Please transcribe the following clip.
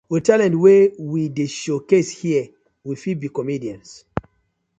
With talent wey we dey show case here we fit be comedians.